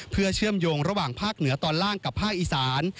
เพื่อเชื่อมโยงระหว่างภาคเหนือตอนล่างกับภาคอีสาน